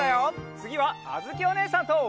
つぎはあづきおねえさんと。